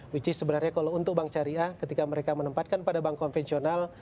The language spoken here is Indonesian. which is sebenarnya kalau untuk bank syariah ketika mereka menempatkan pada bank konvensional